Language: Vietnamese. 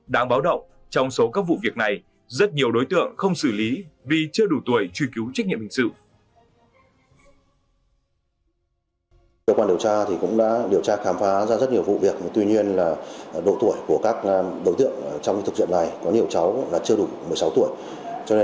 đáng báo động trong số các vụ việc này rất nhiều đối tượng không xử lý vì chưa đủ tuổi truy cứu trách nhiệm hình sự